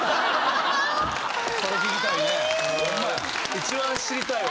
一番知りたいわ。